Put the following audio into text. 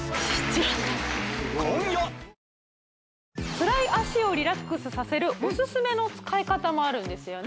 つらい脚をリラックスさせるオススメの使い方もあるんですよね